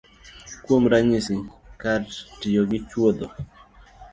Kuom ranyisi, kar tiyo gi chuodho